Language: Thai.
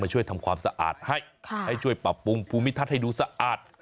ช่วยทำความสะอาดให้ให้ช่วยปรับปรุงภูมิทัศน์ให้ดูสะอาด